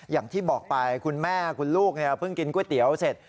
อย่างที่บอกไปคุณแม่คุณลูกเพิ่งกินก๋วยเตี๋ยวเสร็จ